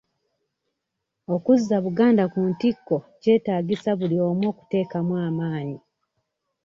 Okuzza Buganda ku ntikko kyetaagisa buli omu okuteekamu amaanyi.